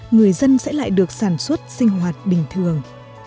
người dân sẽ lại được sản xuất sinh hoạt bình thường